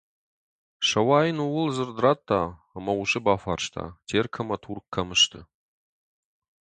Сӕуа йын ууыл дзырд радта ӕмӕ усы бафарста, Терк ӕмӕ Турк кӕм сты.